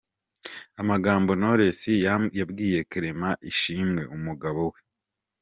Amagambo Knowless yabwiye Clement Ishimwe umugabo we.